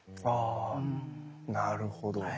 あぁなるほど。